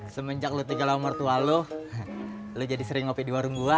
semenjak lo tinggal umur tua lo lo jadi sering ngopi di warung gua